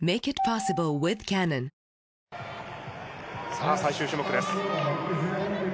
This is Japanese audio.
さあ、最終種目です。